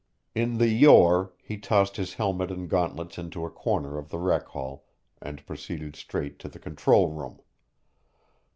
In the Yore, he tossed his helmet and gauntlets into a corner of the rec hall and proceeded straight to the control room.